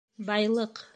Байлыҡ!